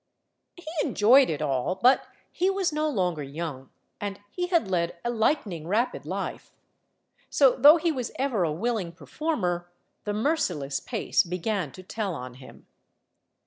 He enjoyed it all; but he was no longer young, and he had led a lightning rapid life. So, though he was ever a willing performer, the merci less pace began to tell on him.